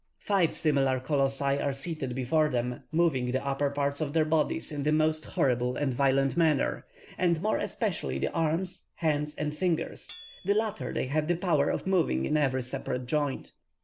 Five similar colossi are seated before them, moving the upper parts of their bodies in the most horrible and violent manner, and more especially the arms, hands, and fingers; the latter they have the power of moving in every separate joint.